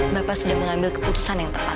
bapak sudah mengambil keputusan yang tepat